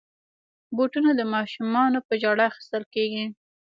بوټونه د ماشومانو په ژړا اخیستل کېږي.